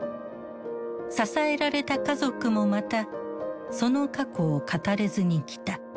支えられた家族もまたその過去を語れずにきた。